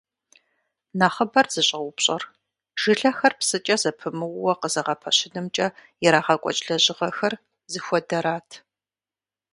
Нэхъыбэр зыщӀэупщӀэр жылэхэр псыкӀэ зэпымыууэ къызэгъэпэщынымкӀэ ирагъэкӀуэкӀ лэжьыгъэхэр зыхуэдэрат.